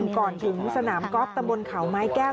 ก่อนถึงสนามกอล์ฟตำบลเขาไม้แก้ว